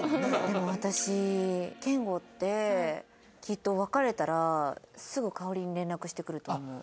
でも私賢吾ってきっと別れたらすぐ香織に連絡してくると思う。